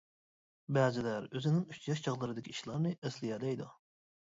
بەزىلەر ئۆزىنىڭ ئۈچ ياش چاغلىرىدىكى ئىشلارنى ئەسلىيەلەيدۇ.